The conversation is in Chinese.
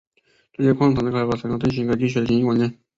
这些矿藏的开发成了振兴该地区经济的关键。